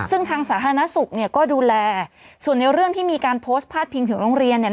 ซึ่งทางสาธารณสุขก็ดูแลส่วนในเรื่องที่มีการโพสต์พาดพิงถึงโรงเรียน